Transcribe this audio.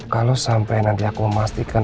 kalau sampai nanti aku memastikan